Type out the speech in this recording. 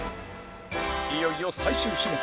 いよいよ最終種目